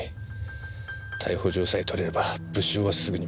逮捕状さえ取れれば物証はすぐに見つかる。